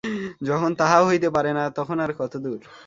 যখন তাহাও হইতে পারে না, তখন আর কত দূর!